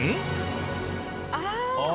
ああ！